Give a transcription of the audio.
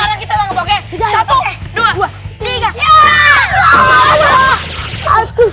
dinasotok dua dua oh